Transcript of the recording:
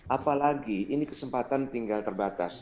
apalagi ini kesempatan tinggal terbatas